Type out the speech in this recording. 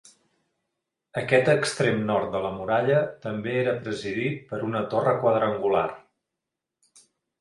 Aquest extrem nord de la muralla també era presidit per una torre quadrangular.